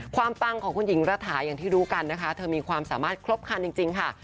ปังของคุณหญิงระถาอย่างที่รู้กันนะคะเธอมีความสามารถครบคันจริงค่ะ